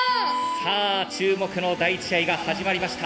さあ注目の第１試合が始まりました。